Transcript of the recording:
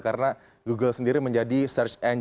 karena google sendiri menjadi search engine nomor satu